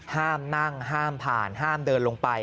ห้ามนั่งห้ามผ่านห้ามเดินลงไป